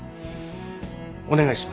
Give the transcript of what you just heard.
お願いします